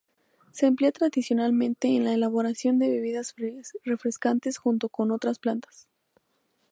Se emplea tradicionalmente en la elaboración de bebidas refrescantes, junto con otras plantas.